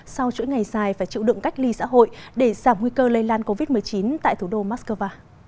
sau chuỗi ngày dài phải chịu đựng cách ly xã hội để giảm nguy cơ lây lan covid một mươi chín tại thủ đô moscow